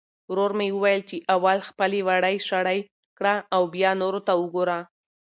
ورور مې وویل چې اول خپلې وړۍ شړۍ کړه او بیا نورو ته وګوره.